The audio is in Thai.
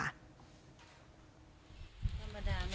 ถ้ารวดร้านมีอยู่บ้านก่อนบ้านสินมากครับ